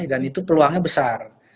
dan itu peluangnya besar